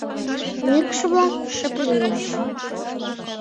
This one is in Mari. Мӱкш-влак шып лийыч.